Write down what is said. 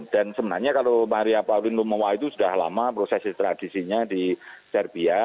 dan sebenarnya kalau maria pauline lumawa itu sudah lama proses ekstradisinya di serbia